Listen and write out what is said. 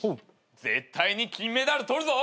絶対に金メダル取るぞ。